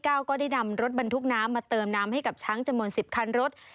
ก็ได้นำรถบรรทุกน้ำมาเติมน้ำให้กับช้างจำนวน๑๐คันรถ